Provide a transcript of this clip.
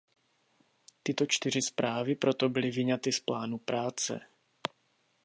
Tyto čtyři zprávy proto byly vyňaty z plánu práce.